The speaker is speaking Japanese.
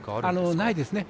ないですね。